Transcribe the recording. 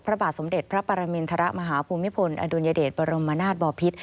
พระบาทสมเด็จพระปรมินทรมาฮภูมิพลอดุลยเดชบรมนาศบอพิษ